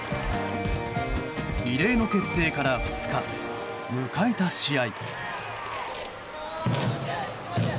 異例の決定から２日迎えた試合。